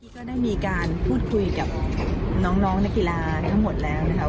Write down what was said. ก็ได้มีการพูดคุยกับน้องนักกีฬาทั้งหมดแล้วนะคะ